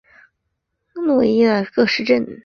洛伊波尔茨格林是德国巴伐利亚州的一个市镇。